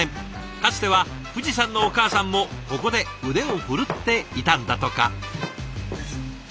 かつては藤さんのお母さんもここで腕を振るっていたんだとか。